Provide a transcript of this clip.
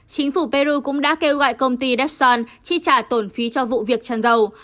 chính phủ peru cũng đã kêu gọi công ty depson chi trả tổn phí cho vụ việc tràn dầu